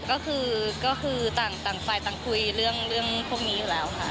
ก็คือต่างฝ่ายต่างคุยเรื่องพวกนี้อยู่แล้วค่ะ